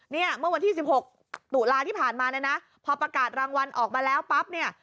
เนี่ยเมื่อวันที่๑๖ตุลาที่ผ่านมาเนี่ยนะพอประกาศรางวัลออกมาแล้วปั๊บเนี่ย